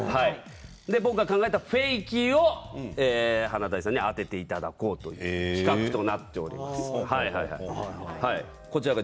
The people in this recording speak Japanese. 僕が考えたＦＡＫＹを華大さんに当てていただこうという企画になっています。